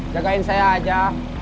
jagain saya aja